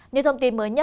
nhiều thông tin mới nhé